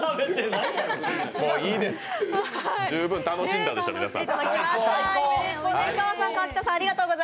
もういいです、十分楽しんだでしょう、皆さん。